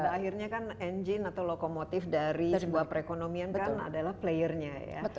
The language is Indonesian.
akhirnya kan engine atau lokomotif dari sebuah perekonomian kan adalah playernya ya